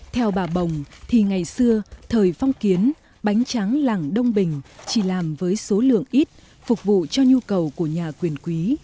theo bà bồng thì ngày xưa thời phong kiến bánh tráng làng đông bình chỉ làm với số lượng ít phục vụ cho nhu cầu của nhà quyền quý